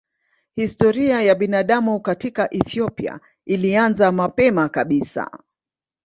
Historia ya binadamu katika Ethiopia ilianza mapema kabisa.